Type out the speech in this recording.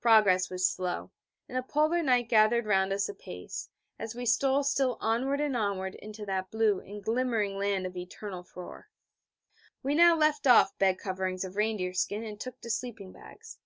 Progress was slow, and the Polar night gathered round us apace, as we stole still onward and onward into that blue and glimmering land of eternal frore. We now left off bed coverings of reindeer skin and took to sleeping bags.